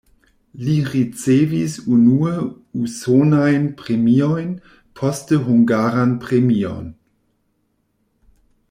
Li ricevis unue usonajn premiojn, poste hungaran premion.